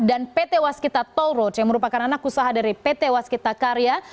dan pt waskita tolroj yang merupakan anak usaha dari pt waskita karya